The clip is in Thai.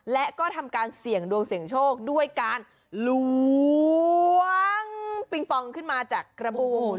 และก็ทำการเสี่ยงดวงเสี่ยงโชคด้วยการล้วงปิงปองขึ้นมาจากกระบูน